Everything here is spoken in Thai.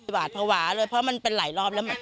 หวาดภาวะเลยเพราะมันเป็นหลายรอบแล้ว